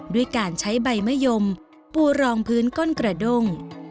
ด้วยการใช้ใบมะยมปูรองพื้นก้นกระด้ง